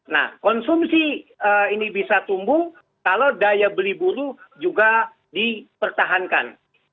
nah konsumsi ini bisa tumbuh kalau daya beli buruh juga dipertahankan